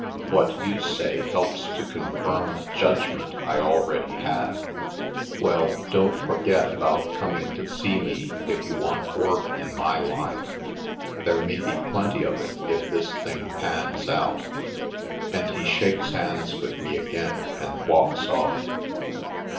"What you say helps to confirm a judgment I already had. Well, don't for get about coming to see me if you want work in my line — there may be plenty of it if this thing pans out." And he shakes hands with me again and walks off.